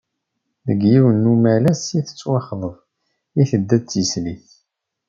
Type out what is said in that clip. Deg yinen n umalas i tettwaxḍeb, i tedda d tislit.